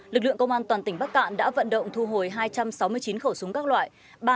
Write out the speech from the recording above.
lực lượng công an toàn tỉnh bắc cạn đã vận động thu hồi hai trăm sáu mươi chín khẩu súng các loại